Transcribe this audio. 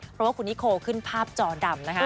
เพราะว่าคุณนิโคขึ้นภาพจอดำนะคะ